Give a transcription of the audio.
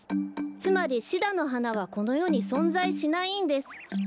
つまりシダのはなはこのよにそんざいしないんです。